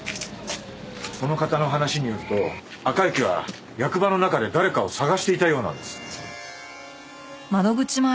この方の話によると赤池は役場の中で誰かを捜していたようなんです。